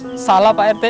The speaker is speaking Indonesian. karena saya salah pak rt